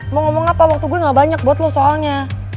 mau ngomong apa waktu gue gak banyak buat lo soalnya